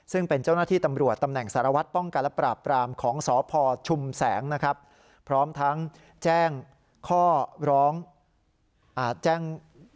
ซึ่งเป็นเจ้าหน้าที่ตำรวจตำแหน่งสารวัตรป้องกันและปราบปรามของสพชุมแสงนะครับพร้อมทั้งแจ้งข้อร้องแจ้ง